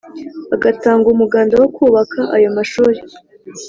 agatanga umuganda wo kubaka ayo mashuri,